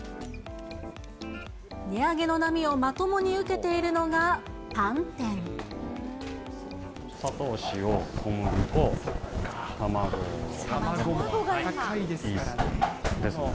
値上げの波をまともに受けている砂糖、塩、小麦粉、卵、イーストですね。